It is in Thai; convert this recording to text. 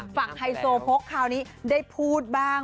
ไฮโซโพกคราวนี้ได้พูดบ้าง